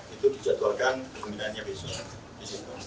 itu dijadwalkan pembinaannya besok